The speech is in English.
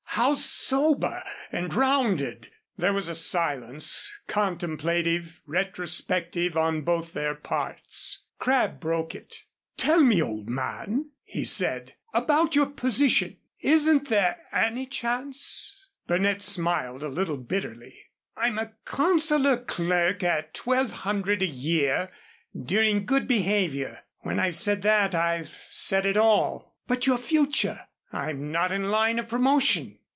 How sober and rounded!" There was a silence, contemplative, retrospective on both their parts. Crabb broke it. "Tell me, old man," he said, "about your position. Isn't there any chance?" Burnett smiled a little bitterly. "I'm a consular clerk at twelve hundred a year during good behavior. When I've said that, I've said it all." "But your future?" "I'm not in line of promotion."